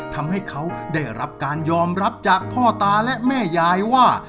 ทำให้เขาได้รับการยอมรับจากพ่อตาและแม่ยายว่า